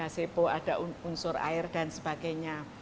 sepo ada unsur air dan sebagainya